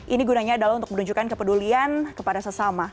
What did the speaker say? ini gunanya adalah untuk menunjukkan kepedulian kepada sesama